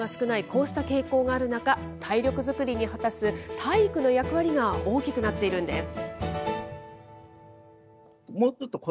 こうした傾向がある中、体力作りに果たす体育の役割が大きくなっているんです。